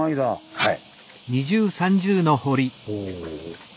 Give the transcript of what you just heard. はい。